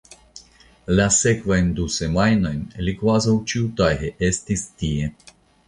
La sekvajn du semajnojn li kvazaŭ ĉiutage estis tie.